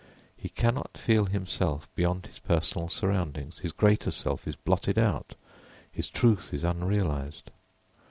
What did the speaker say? He cannot feel himself beyond his personal surroundings, his greater self is blotted out, his truth is unrealised.